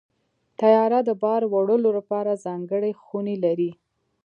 طیاره د بار وړلو لپاره ځانګړې خونې لري.